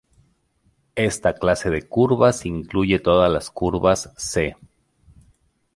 Esta clase de curvas incluye todas las curvas "C".